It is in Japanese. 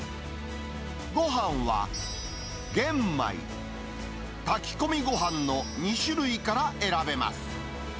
ごはんは玄米、炊き込みごはんの２種類から選べます。